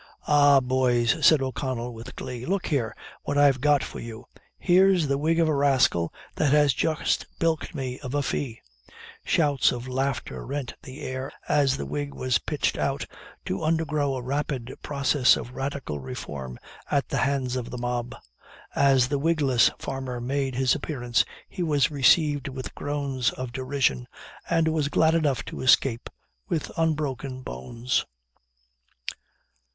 "Ah! boys," said O'Connell, with glee, "look here what I've got for you! Here's the wig of a rascal that has just bilked me of a fee." Shouts of laughter rent the air, as the wig was pitched out, to undergo a rapid process of radical reform at the hands of the mob. As the wigless farmer made his appearance, he was received with groans of derision, and was glad enough to escape with unbroken bones.